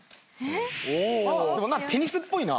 でもテニスっぽいな。